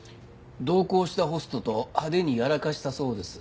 同行したホストと派手にやらかしたそうですが。